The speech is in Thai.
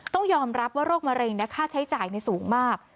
ต้องยอมรับว่าโรคมะเร็งค่าใช้จ่ายสูงมาก